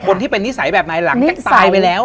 คนที่เป็นนิสัยแบบไหนหลังก็ตายไปแล้ว